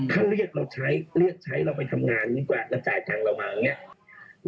เขาเรียกเราใช้เรียกใช้เราไปทำงานดีกว่าแล้วจ่ายเงินเรามาอย่างเงี้ย